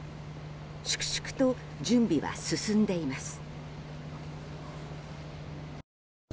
粛々と準備は進んでいます。